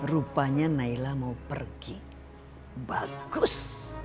rupanya naila mau pergi bagus